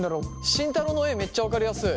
慎太郎の絵めっちゃ分かりやすい。